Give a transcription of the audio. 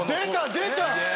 出た！